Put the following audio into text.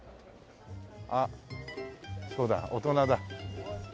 あっそうだ大人だ。